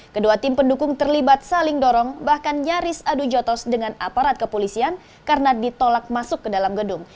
kedua tim pendukung terlibat saling dorong bahkan nyaris adu jotos dengan aparat kepolisian karena ditolak masuk ke dalam gedung